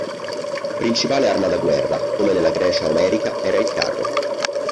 Principale arma da guerra, come nella Grecia omerica, era il carro.